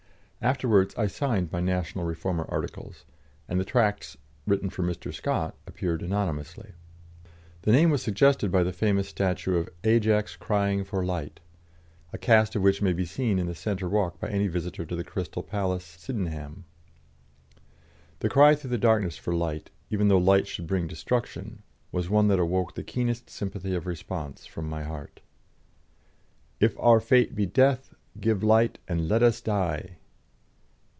Afterwards, I signed my National Reformer articles, and the tracts written for Mr. Scott appeared anonymously. The name was suggested by the famous statue of "Ajax Crying for Light," a cast of which may be seen in the centre walk by any visitor to the Crystal Palace, Sydenham. The cry through the darkness for light, even though light should bring destruction, was one that awoke the keenest sympathy of response from my heart: "If our fate be death Give light, and let us die!"